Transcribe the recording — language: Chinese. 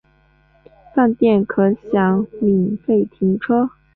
饭店可享免费停车